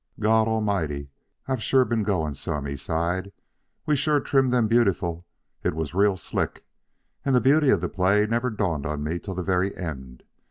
"Goddle mighty, but I've sure been going some," he sighed. "We sure trimmed them beautiful. It was real slick. And the beauty of the play never dawned on me till the very end.